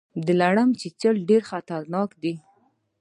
د لړم چیچل ډیر خطرناک دي